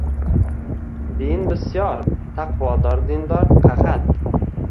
Din bisyor, taqvodor dindor qahat;